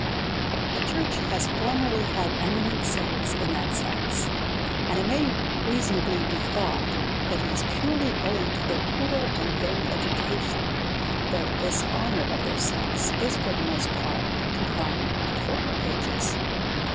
The church has formerly had eminent saints in that sex; and it may reasonably be thought, that it is purely owing to their poor and vain education, that this honour of tlieir sex is, for the most part, confined to former ages.